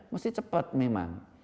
mesti cepat memang